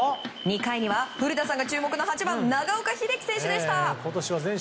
２回には古田さん注目の長岡秀樹選手でした。